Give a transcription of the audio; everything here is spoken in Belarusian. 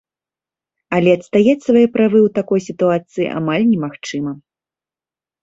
Але адстаяць свае правы ў такой сітуацыі амаль немагчыма.